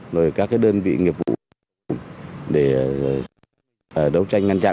và các đơn vị nghiệp vụ